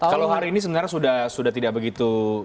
kalau hari ini sebenarnya sudah tidak begitu